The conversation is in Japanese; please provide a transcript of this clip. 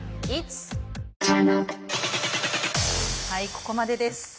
はいここまでです。